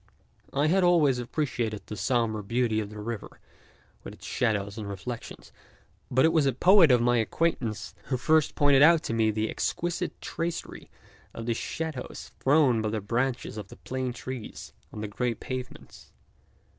I had always appreciated the sombre beauty of the river with its shadows and reflections, but it was a poet of my acquaintance who first pointed out to me the exquisite tracery of the shadows thrown by the branches of the plane trees on the grey pavements.